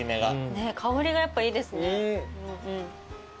香りがやっぱいいですね。